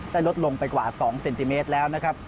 ลดลงไปกว่า๒เซนติเมตรแล้วนะครับ